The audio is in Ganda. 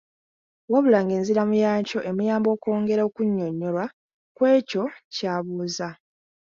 Wabula ng’enziramu yaakyo emuyamba okwongera okunnyonnyolwa ku ekyo ky’abuuza.